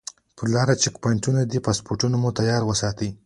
پر لاره چیک پواینټونه دي پاسپورټونه مو تیار وساتئ.